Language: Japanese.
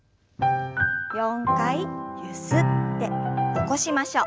４回ゆすって起こしましょう。